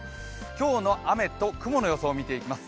今日の雨の雲の予想を見ていきます。